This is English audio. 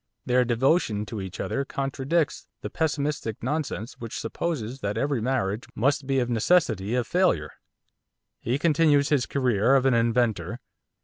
Their devotion to each other contradicts the pessimistic nonsense which supposes that every marriage must be of necessity a failure. He continues his career of an inventor.